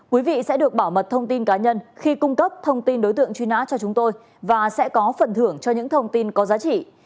quý vị sẽ được bảo mật thông tin cá nhân khi cung cấp thông tin đối tượng truy nã cho chúng tôi và sẽ có phần thưởng cho những thông tin có giá trị